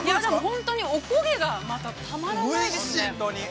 ◆本当におこげが、また、たまらないですね。